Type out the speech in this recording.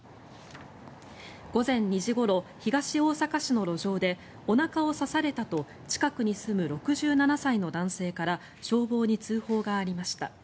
午前２時ごろ、東大阪市の路上でおなかを刺されたと近くに住む６７歳の男性から消防に通報がありました。